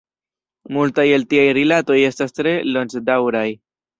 Multaj el tiaj rilatoj estas tre longdaŭraj.